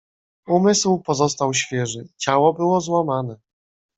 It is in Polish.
"Umysł pozostał świeży, ciało było złamane."